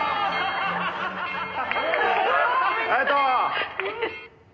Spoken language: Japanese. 「ありがとう！」